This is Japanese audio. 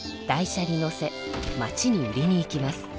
台車にのせ町に売りにいきます。